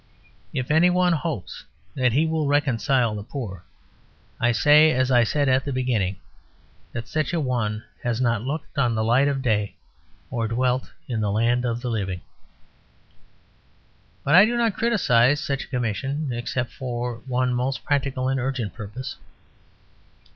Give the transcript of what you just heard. If any one hopes that he will reconcile the poor, I say, as I said at the beginning, that such a one has not looked on the light of day or dwelt in the land of the living. But I do not criticise such a Commission except for one most practical and urgent purpose.